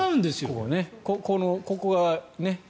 ここがね。